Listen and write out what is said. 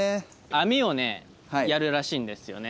網をねやるらしいんですよね。